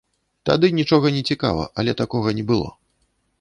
Тады нічога не цікава, але такога не было.